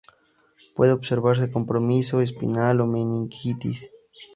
Puede observarse compromiso espinal o meningitis.